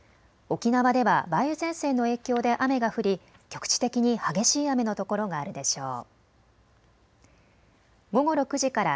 沖縄では梅雨前線の影響で雨が降り局地的に激しい雨の所があるでしょう。